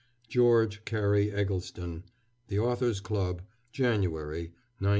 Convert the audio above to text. GEORGE CARY EGGLESTON. THE AUTHORS CLUB, January, 1905.